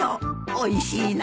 おいしいなあ。